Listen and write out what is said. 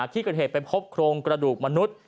ที่กันเหตุเป็นครบโครงกระดูกมนุษย์